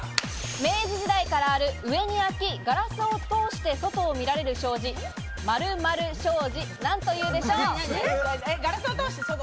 明治時代からある、上にあき、ガラスを通して外を見られる障子、〇〇障子、なんというでしょう？